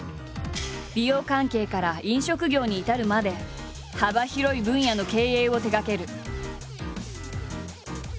美容関係から飲食業に至るまで幅広い分野の経営を手がける。